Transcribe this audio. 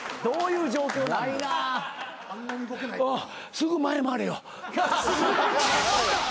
すぐ前回れよ。